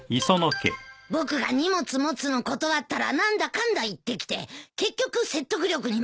僕が荷物持つの断ったら何だかんだ言ってきて結局説得力に負けちゃったんだ。